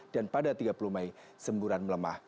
pada tiga puluh mei semburan melemah